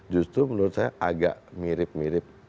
justru menurut saya agak mirip mirip